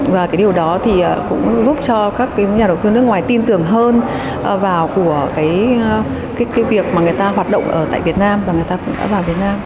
và cái điều đó thì cũng giúp cho các cái nhà đầu tư nước ngoài tin tưởng hơn vào của cái việc mà người ta hoạt động ở tại việt nam và người ta cũng đã vào việt nam